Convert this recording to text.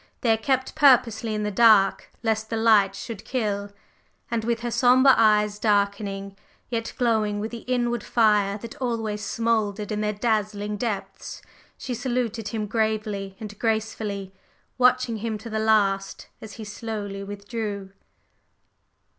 They are kept purposely in the dark lest the light should kill!" And with her sombre eyes darkening, yet glowing with the inward fire that always smouldered in their dazzling depths, she saluted him gravely and gracefully, watching him to the last as he slowly withdrew.